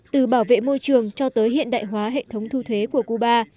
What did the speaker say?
từ bảo vệ môi trường cho tới hiện đại hóa hệ thống thu thuế của cuba